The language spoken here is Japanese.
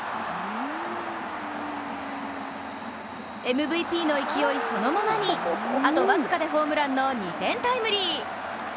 ＭＶＰの勢いそのままに、あと僅かでホームランの２点タイムリー。